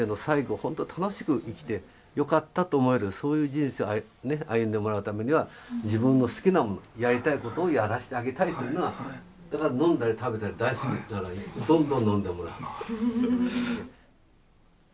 ほんと楽しく生きてよかったと思えるそういう人生を歩んでもらうためには自分の好きなものやりたいことをやらせてあげたいというのはだから飲んだり食べたり大好きだったらどんどん飲んでもらう。